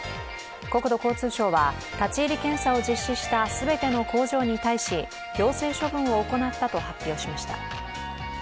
国土交通省は立ち入り検査を実施した全ての工場に対し行政処分を行ったと発表しました。